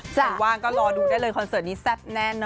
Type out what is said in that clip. ไหนว่างก็รอดูได้เลยคอนเสิร์ตนี้แซ่บแน่นอน